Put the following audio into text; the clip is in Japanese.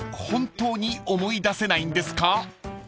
本当に思い出せないんですか？］